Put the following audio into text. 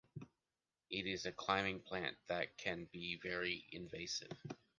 It is a climbing plant that can be very invasive.